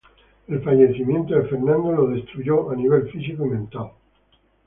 El fallecimiento de Fernando le destruyó a nivel físico y mental.